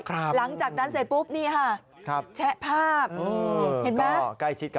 หลังจากนั้นเสร็จปุ๊บนี่ค่ะ